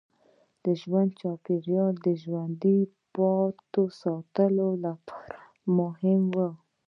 د ژوند چاپېریال د ژوندي پاتې کېدو لپاره مهم و.